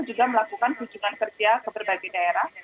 juga melakukan kunjungan kerja ke berbagai daerah